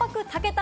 た